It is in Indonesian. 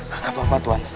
gak apa apa tuan